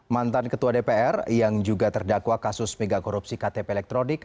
mantan ketua dpr yang juga terdakwa kasus megakorupsi ktp elektronik